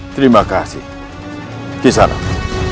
terima kasih kisarang